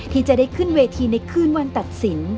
ที่จะได้ขึ้นเวทีในคืนวันตัดสิน